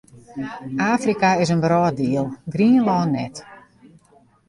Afrika is in wrâlddiel, Grienlân net.